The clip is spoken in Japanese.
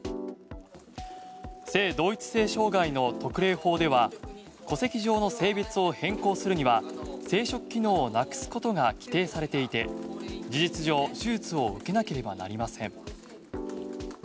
性同一性障害の特例法では戸籍上の性別を変更するには生殖機能をなくすことが規定されていて事実上手術を受けなければなりません。